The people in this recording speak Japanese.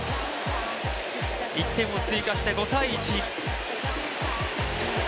１点を追加して、５−１。